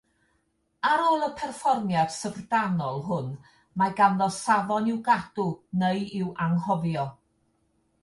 Ar ôl y perfformiad syfrdanol hwn, mae ganddo safon i'w gadw neu i'w anghofio.